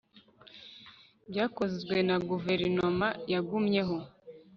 Byakozwe na guverinoma Yagumyeyo